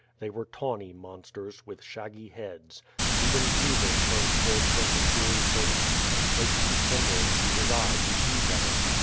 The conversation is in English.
They were tawny monsters, with shaggy heads. Even Caesar turned towards them his weary face, and placed the emerald to his eye to see better.